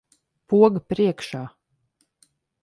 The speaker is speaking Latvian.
Poga priekšā.